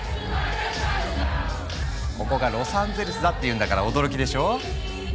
ここがロサンゼルスだっていうんだから驚きでしょ？